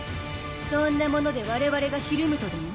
そんなものでわれわれがひるむとでも？